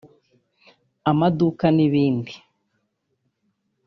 amaduka n’ibindi